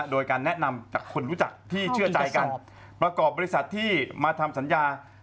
โดยการแนะนำจากคนรู้จักที่เชื่อใจกันประกอบบริษัทที่มาทำสัญญา